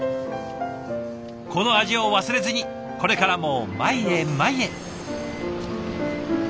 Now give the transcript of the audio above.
この味を忘れずにこれからも前へ前へ。